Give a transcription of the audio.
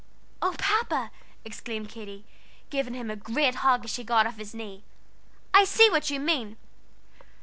"Oh, Papa!" exclaimed Katy, giving him a great hug as she got off his knee, "I see what you mean!